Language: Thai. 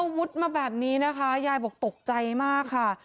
วุฒิมาแบบนี้นะคะยายบอกตกใจมากค่ะ